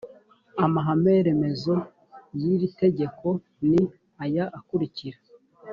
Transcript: amahame remezo y iri tegeko ni aya akurikira